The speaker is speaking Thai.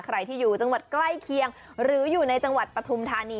ใครที่อยู่จังหวัดใกล้เคียงหรืออยู่ในจังหวัดปฐุมธานี